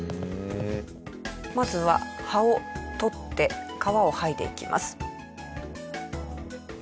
まずは葉を取って皮を剥いでいきます。